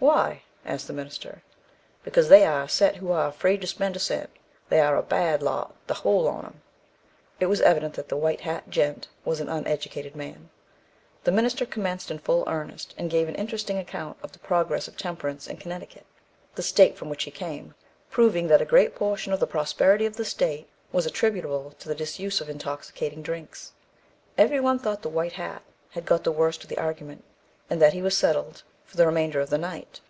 "Why?" asked the minister. "Because they are a set who are afraid to spend a cent. They are a bad lot, the whole on 'em." It was evident that the white hat gent was an uneducated man. The minister commenced in full earnest, and gave an interesting account of the progress of temperance in Connecticut, the state from which he came, proving, that a great portion of the prosperity of the state was attributable to the disuse of intoxicating drinks. Every one thought the white hat had got the worst of the argument, and that he was settled for the remainder of the night.